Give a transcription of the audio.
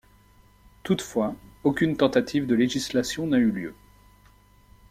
Toutefois aucune tentative de législation n'a eu lieu.